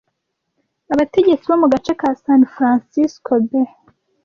Abategetsi bo mu gace ka San Francisco Bay